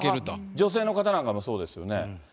女性の方なんかもそうですよね。